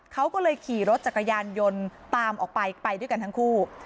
เขาก็เลยขี่รถจักรยานยนต์ตามออกไปไปด้วยกันทั้งคู่